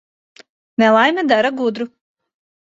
Nelaime dara gudru.